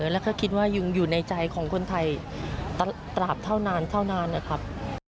แล้วก็คิดว่ายังอยู่ในใจของคนไทยตราบเท่านานเท่านานนะครับ